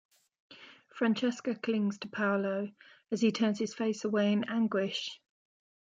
Francesca clings to Paolo as he turns his face away in anguish.